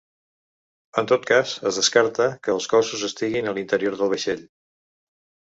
En tot cas, es descarta que els cossos estiguin a l’interior del vaixell.